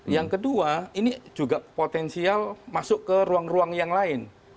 yang kedua ini juga potensial masuk ke ruang ruang yang lain